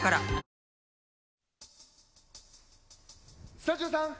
「スタジオさん！」